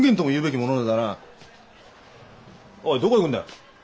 おいどこ行くんだよ。